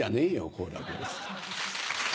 好楽です。